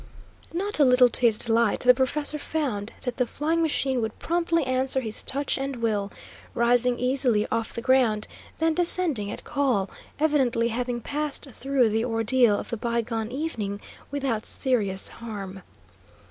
Not a little to his delight, the professor found that the flying machine would promptly answer his touch and will, rising easily off the ground, then descending at call, evidently having passed through the ordeal of the bygone evening without serious harm.